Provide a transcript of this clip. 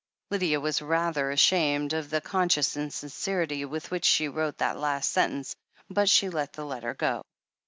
Lydia was rather ashamed of the conscious insin cerity with which she wrote that last sentence, but she let the letter go.